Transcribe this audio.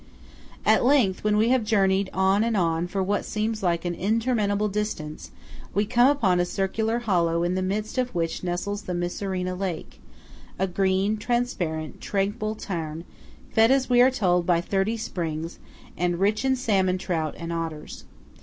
At length, when we have journeyed on and on for what seems an interminable distance, we come upon a circular hollow in the midst of which nestles the Misurina lake–a green, transparent, tranquil tarn, fed as we are told by thirty springs and rich in salmon trout and otters.